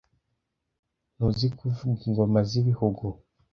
Ntizikivuga ingoma z'ibihugu